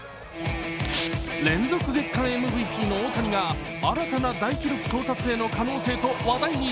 連続月間ＭＶＰの大谷が新たな大記録到達への可能性と話題に。